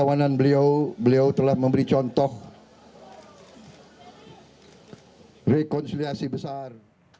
kerawanan beliau beliau telah memberi contoh rekonsiliasi besar